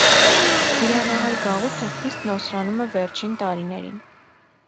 Իրանահայ գաղութը խիստ նոսրանում է վերջին տարիներին։